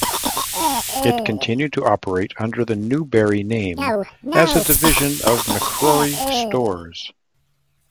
It continued to operate under the Newberry name as a division of McCrory Stores.